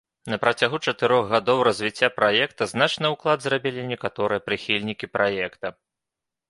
На працягу чатырох гадоў развіцця праекта значны ўклад зрабілі некаторыя прыхільнікі праекта.